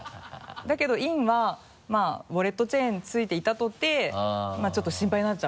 だけど陰はウォレットチェーン付いていたとてちょっと心配になっちゃう。